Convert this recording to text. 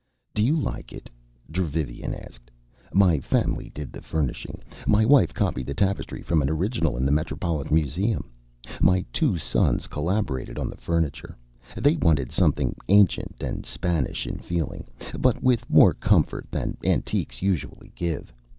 "Do you like it?" Dravivian asked. "My family did the furnishing. My wife copied the tapestry from an original in the Metropolitan Museum. My two sons collaborated on the furniture. They wanted something ancient and Spanish in feeling, but with more comfort than antiques usually give.